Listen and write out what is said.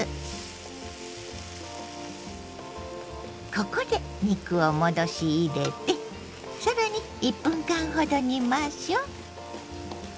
ここで肉を戻し入れて更に１分間ほど煮ましょう。